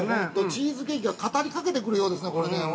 チーズケーキが語りかけてくるようですね、これね。